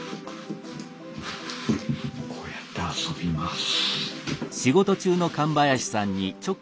こうやって遊びます。